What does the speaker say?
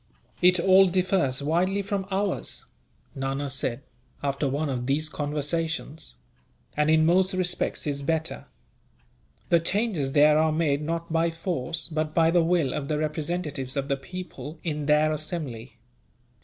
"It all differs widely from ours," Nana said, after one of these conversations, "and in most respects is better. The changes there are made not by force, but by the will of the representatives of the people, in their assembly.